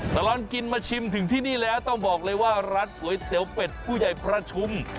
ตลอดกินมาชิมถึงที่นี่แล้วต้องบอกเลยว่าร้านก๋วยเตี๋ยวเป็ดผู้ใหญ่ประชุม